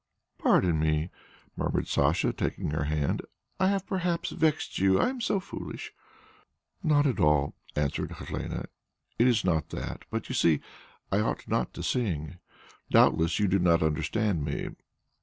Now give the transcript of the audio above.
"Pardon me," murmured Sacha, taking her hand. "I have perhaps vexed you; I am so foolish." "Not at all," answered Helene. "It is not that. But you see, I ought not to sing. Doubtless, you do not understand me.